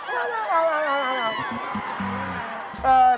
คิดได้ไงวะ